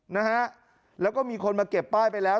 นะฮะแล้วก็มีคนมาเก็บป้ายไปแล้ว